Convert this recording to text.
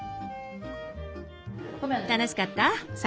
楽しかった？